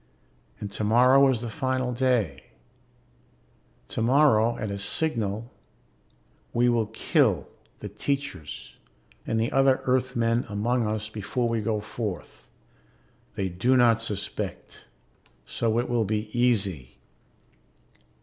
And tomorrow is the final day. Tomorrow, at a signal, we will kill the teachers and the other Earthmen among us before we go forth. They do not suspect, so it will be easy.